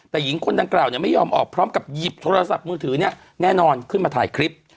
แต่หญิงคนดังกล่าวไม่ยอมออกพร้อมกับหยิบโทรศัพท์มือถือเนี่ยแน่นอนขึ้นมาถ่ายคลิป